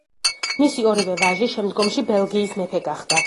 მისი ორივე ვაჟი შემდგომში ბელგიის მეფე გახდა.